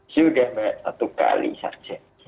sudah mbak satu kali saja